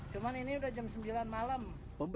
cuma ini udah jam sembilan malam